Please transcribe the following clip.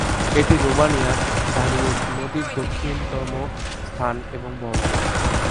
এটি রোমানিয়ার দানিউব নদীর দক্ষিণতম স্থান এবং বন্দর।